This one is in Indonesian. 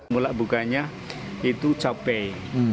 mulai bukanya itu cabai